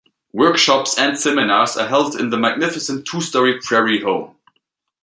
Workshops and seminars are held in the magnificent two-story prairie home.